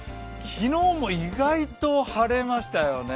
昨日も意外と晴れましたよね。